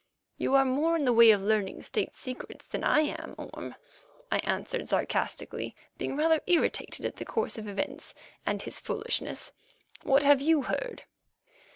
"You are more in the way of learning state secrets than I am, Orme," I answered sarcastically, being rather irritated at the course of events and his foolishness. "What have you heard?"